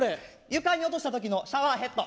床に落とした時のシャワーヘッド。